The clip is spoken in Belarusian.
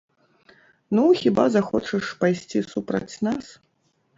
Ну, хіба захочаш пайсці супраць нас?